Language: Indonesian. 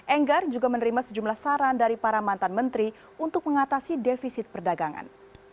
enggar juga menerima sejumlah saran dari para mantan menteri untuk mengatasi defisit perdagangan